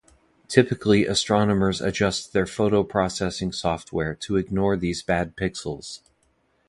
Typically astronomers adjust their photo-processing software to ignore these bad pixels.